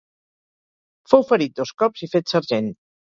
Fou ferit dos cops i fet sergent.